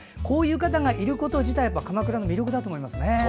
こういう方がいること自体鎌倉の魅力だと思いますね。